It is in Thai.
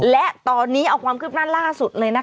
และตอนนี้เอาความคืบหน้าล่าสุดเลยนะคะ